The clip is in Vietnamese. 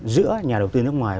giữa nhà đầu tư nước ngoài